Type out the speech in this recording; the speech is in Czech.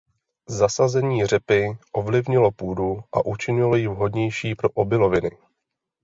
Zasazení řepy ovlivnilo půdu a učinilo ji vhodnější pro obiloviny.